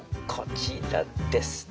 こちらです。